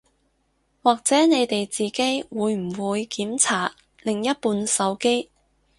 或者你哋自己會唔會檢查另一半手機